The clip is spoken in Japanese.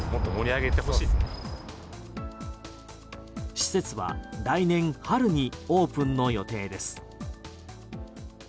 施設は来年春にオープンの予定です。